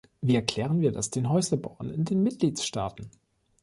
Wie erklären wir das den Häuslebauern in den Mitgliedstaaten?